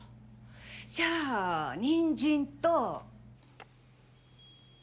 じゃあニンジンと。